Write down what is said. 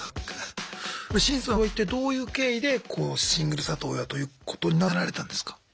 シンさんは一体どういう経緯でシングル里親ということになられたんですか？